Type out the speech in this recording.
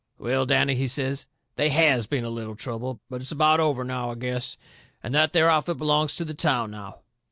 "Well, Danny," he says, "they HAS been a little trouble. But it's about over, now, I guess. And that there outfit belongs to the town now."